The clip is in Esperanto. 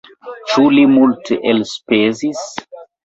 Ĉu li multe elspezis?